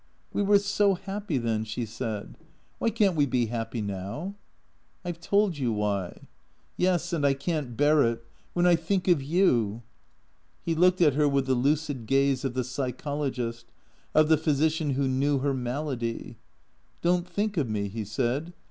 " We were so happy then," she said. " Why can't we be happy now ?"" I 've told you why." " Yes, and I can't bear it. When I think of you " He looked at her with the lucid gaze of the psychologist, of the physician who knew her malady. " Don't think of me," he said.